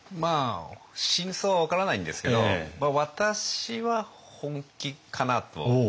真相は分からないんですけど私は本気かなと。